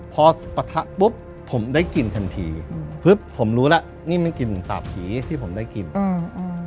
พอปะทะปุ๊บผมได้กลิ่นทันทีอืมปุ๊บผมรู้แล้วนี่มันกลิ่นสาบผีที่ผมได้กลิ่นอืม